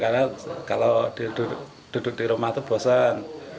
karena kalau duduk di rumah itu bosan